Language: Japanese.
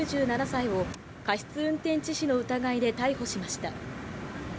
９７歳を過失運転致死の疑いで逮捕しました。